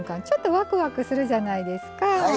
ちょっとワクワクするじゃないですか。